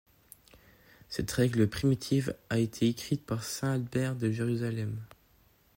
Cette règle primitive a été écrite par saint Albert de Jérusalem.